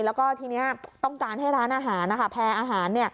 แล้วก็ทีนี้ต้องการให้ร้านอาหารแพร่อาหาร